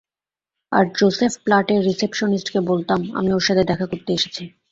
আর Joseph প্লাটের রিসেপশনিস্টকে বলতাম আমি ওর সাথে দেখা করতে এসেছি।